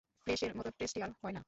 ফ্রেশের মতো টেস্টি আর হয় না।